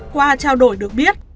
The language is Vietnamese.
qua trao đổi được biết